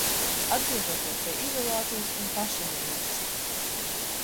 Atgriežoties pie izolācijas un pašanalīzes.